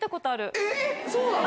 え⁉そうなの？